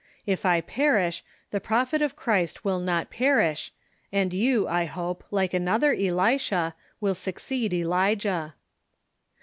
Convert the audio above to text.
If I perish, the prophet of Christ will not perish, and you, I hope, like another Elisha, will succeed Eli jah."